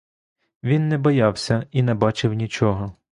Він не боявся і не бачив нічого.